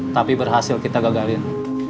tapi berhasil kita gagalin